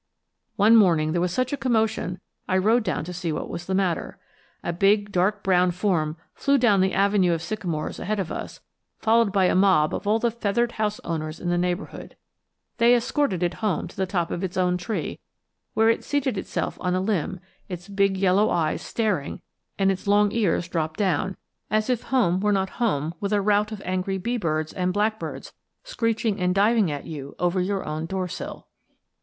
One morning there was such a commotion I rode down to see what was the matter. A big dark brown form flew down the avenue of sycamores ahead of us, followed by a mob of all the feathered house owners in the neighborhood. They escorted it home to the top of its own tree, where it seated itself on a limb, its big yellow eyes staring and its long ears dropped down, as if home were not home with a rout of angry bee birds and blackbirds screeching and diving at you over your own doorsill.